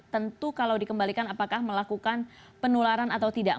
tentu kalau dikembalikan apakah melakukan penularan atau tidak